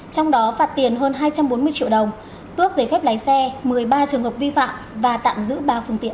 trong đó phạt tiền hơn hai trăm bốn mươi triệu đồng tước giấy phép lái xe một mươi ba trường hợp vi phạm và tạm giữ ba phương tiện